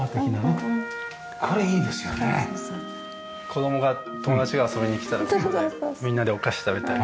子供が友達が遊びに来た時にみんなでお菓子食べたり。